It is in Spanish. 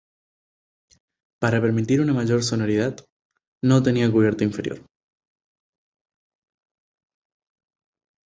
Para permitir una mayor sonoridad, no tenía cubierta inferior.